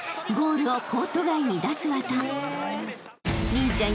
［麟ちゃん